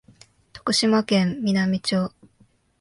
徳島県美波町